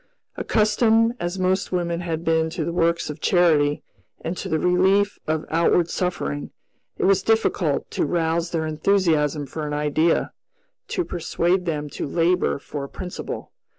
Accustomed, as most women had been to works of charity and to the relief of outward suffering, it was difficult to rouse their enthusiasm for an idea, to persuade them to labor for a principle.